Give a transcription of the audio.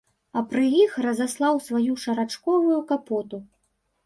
А пры іх разаслаў сваю шарачковую капоту.